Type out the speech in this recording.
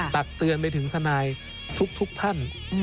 ตักเตือนไปถึงทนายทุกท่าน